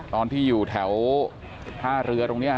ตอนที่อยู่แถวท่าเรือตรงนี้